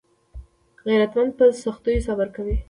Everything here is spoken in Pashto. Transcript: غیرتمند په سختیو صبر کوي